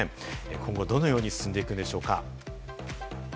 今後、どのように進んでいくんでしょうか？